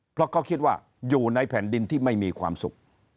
เพราะเขาคิดว่าอยู่ในแผ่นดินที่ไม่มีความสุข